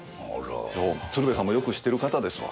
鶴瓶さんもよく知ってる方ですわ。